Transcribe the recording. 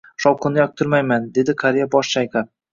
Shovqinni yoqtirmayman, dedi qariya bosh chayqab